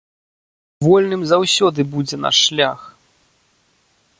Вольным заўсёды будзе наш шлях!